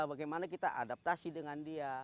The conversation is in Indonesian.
bagaimana kita adaptasi dengan dia